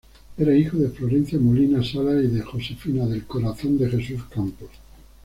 Era hijo de Florencio Molina Salas y de Josefina del Corazón de Jesús Campos.